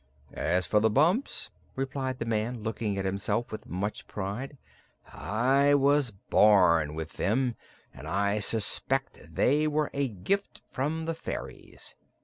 "As for the bumps," replied the man, looking at himself with much pride, "I was born with them and I suspect they were a gift from the fairies.